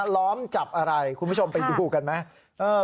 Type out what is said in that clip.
ล้อมจับอะไรคุณผู้ชมไปดูกันไหม